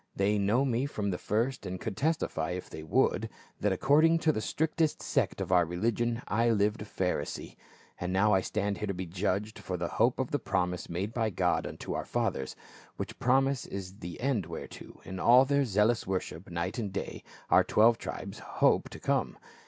They know me from the first and could testify, if they would, that according to the strictest sect of our religion, I lived a Pharisee. And now I stand here to be judged for the hope of the promise made by God unto our fathers. Which promise is the end whereto, in all their zealous worship night and day, our twelve tribes hope to come.